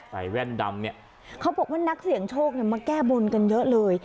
แว่นดำเนี่ยเขาบอกว่านักเสี่ยงโชคเนี่ยมาแก้บนกันเยอะเลย